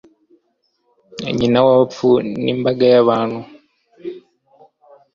Nyina w'abapfu n'imbaga y'abantu